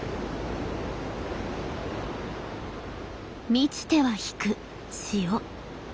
満ちては引く潮。